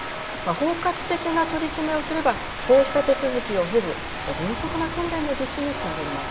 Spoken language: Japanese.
包括的な取り決めをすればこうした手続きを経ず迅速な訓練の実施につながります。